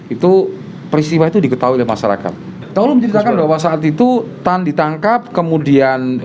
itu peristiwa dih ketahui dari masyarakat tolu menceritakan bahwa saat itu tan ditangkap kemudian